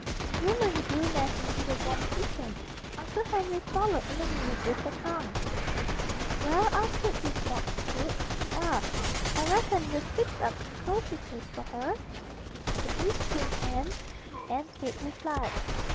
The woman drew Nan into the warm kitchen. Uncle Henry followed in a minute with the trunk. "Where'll I put this box, Kate?" he asked. "I reckon you've fixed up some cozy place for her?" "The east room, Hen," Aunt Kate replied.